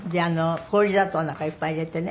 氷砂糖なんかいっぱい入れてね。